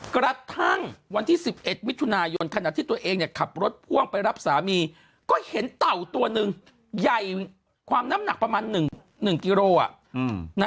กระทั่งวันที่๑๑มิถุนายนขณะที่ตัวเองขับรถพ่วงไปรับสามีก็เห็นเต่าตัวหนึ่งใหญ่ความน้ำหนักประมาณ๑กิโล